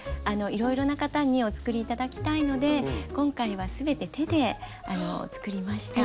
いろいろな方にお作り頂きたいので今回は全て手で作りました。